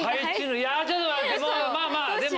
ちょっと待ってまあまあでも。